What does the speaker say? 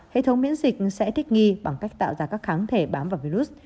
hệ thống miễn dịch sẽ thích nghi bằng cách tạo ra các kháng thể bám vào virus